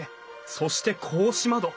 そして格子窓。